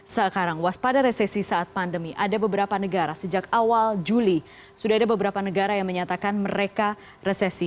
sekarang waspada resesi saat pandemi ada beberapa negara sejak awal juli sudah ada beberapa negara yang menyatakan mereka resesi